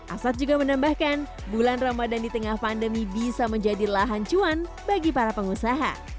asad juga menambahkan bulan ramadan di tengah pandemi bisa menjadi lahan cuan bagi para pengusaha